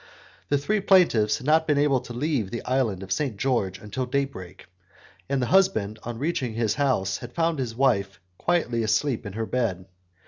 The three plaintiffs had not been able to leave the island of Saint George until day break, and the husband, on reaching his house, had found his wife quietly asleep in her bed.